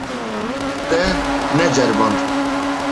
Te neceriband.